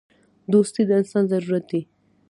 • دوستي د انسان ضرورت دی.